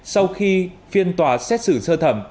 sau khi phiên tòa xét xử sơ thẩm